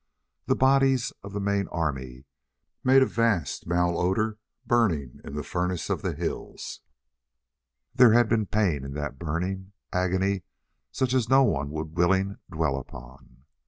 The bodies of the main army made a vast malodor, burning in the furnace of the hills. There had been pain in that burning, agony such as no one would willing dwell upon.